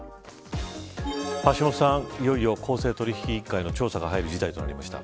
橋下さん、いよいよ公正取引委員会の調査が入る事態となりました。